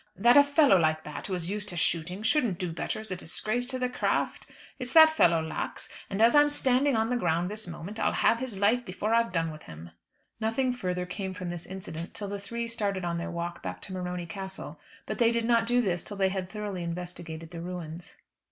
That a fellow like that who is used to shooting shouldn't do better is a disgrace to the craft. It's that fellow Lax, and as I'm standing on the ground this moment I'll have his life before I've done with him." Nothing further came from this incident till the three started on their walk back to Morony Castle. But they did not do this till they had thoroughly investigated the ruins.